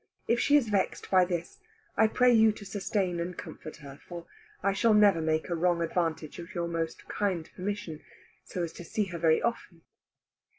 If she is vexed by this, I pray you to sustain and comfort her; for I shall never make a wrong advantage of your most kind permission, so as to see her very often."